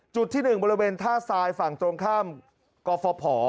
จุดที่๑บริเวณท่าทรายฝั่งตรงข้ามกฟภ